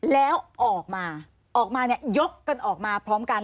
แล้วออกมาออกมาเนี่ยยกกันออกมาพร้อมกัน